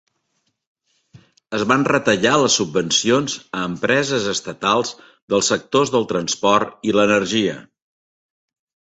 Es van retallar les subvencions a empreses estatals del sectors del transport i l'energia.